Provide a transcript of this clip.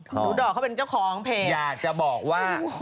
ดอกเขาเป็นเจ้าของเพจอยากจะบอกว่า